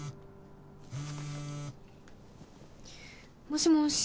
もしもし。